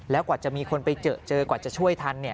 แล้วกว่าจะมีคนไปเจอเจอกว่าจะช่วยทัน